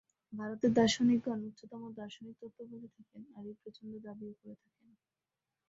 ভারতের দার্শনিকগণ উচ্চতম দার্শনিক তত্ত্ব বলে থাকেন, আর এই প্রচণ্ড দাবীও করে থাকেন।